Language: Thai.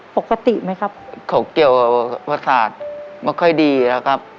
ปกติมั้ยครับ